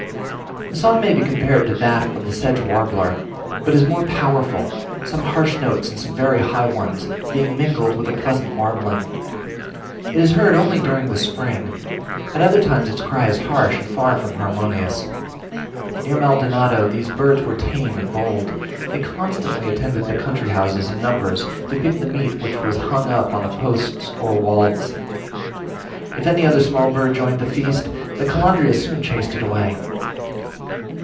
The song may be compared to that of the Sedge warbler, but is more powerful; some harsh notes and some very high ones, being mingled with a pleasant warbling. It is heard only during the spring. At other times its cry is harsh and far from harmonious. Near Maldonado these birds were tame and bold; they constantly attended the country houses in numbers, to pick the meat which was hung up on the posts or walls: if any other small bird joined the feast, the Calandria soon chased it away.